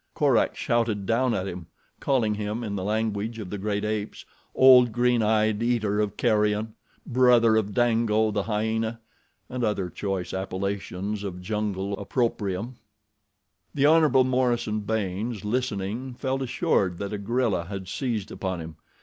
Korak shouted down at him, calling him, in the language of the great apes, "Old green eyed eater of carrion," "Brother of Dango," the hyena, and other choice appellations of jungle opprobrium. The Hon. Morison Baynes, listening, felt assured that a gorilla had seized upon him.